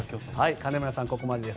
金村さん、ここまでです。